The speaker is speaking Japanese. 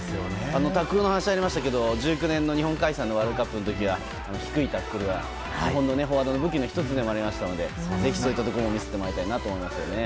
タックルの話ありましたけど１９年開催のワールドカップの時は低いタックルは日本のフォワードの武器になりましたのでぜひそういったところも見せてもらいたいと思います。